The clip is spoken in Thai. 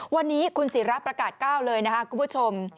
วันนี้คุณศิราประกาศ๙เลยนะครับคุณผู้ชม